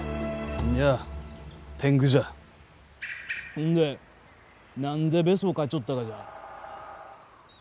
ほんで何でベソかいちょったがじゃ？